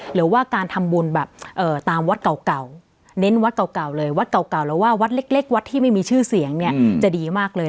หรือว่าการทำบุญแบบตามวัดเก่าเน้นวัดเก่าเลยวัดเก่าหรือว่าวัดเล็กวัดที่ไม่มีชื่อเสียงเนี่ยจะดีมากเลย